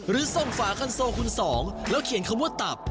หรือส่งฝาคันโซคุณสองแล้วเขียนคำว่าตับ